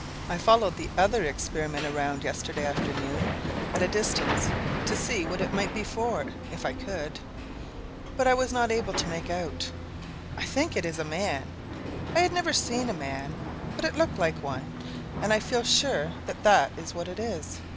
I followed the other Experiment around, yesterday afternoon, at a distance, to see what it might be for, if I could. But I was not able to make [it] out. I think it is a man. I had never seen a man, but it looked like one, and I feel sure that that is what it is.